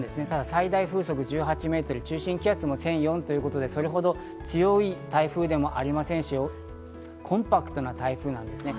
最大風速１８メートル、中心気圧も１００４ということで、それほど強い台風でもありませんし、コンパクトな台風なんですね。